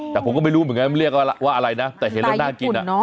แต่ผมก็ไม่รู้เหมือนกันมันเรียกว่าอะไรนะแต่เห็นแล้วน่ากิน